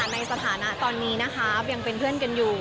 ในสถานะตอนนี้นะคะยังเป็นเพื่อนกันอยู่